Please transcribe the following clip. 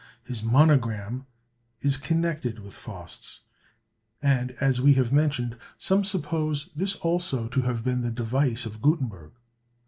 His monogram is connected with Faust's; and, as we have mentioned, some suppose this also to have been the device of Gutenberg.